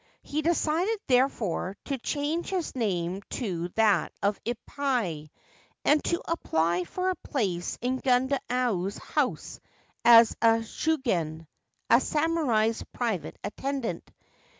He decided, therefore, to change his name to that of Ippai, and to apply for a place in Gundayu's house as a chugen (a samurai's private attendant).